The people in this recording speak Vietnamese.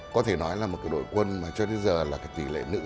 có thể nói là một đội quân mà cho đến giờ là cái tỷ lệ nữ